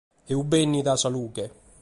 E fit bènnida sa lughe.